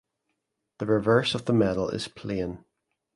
The reverse of the medal is plain.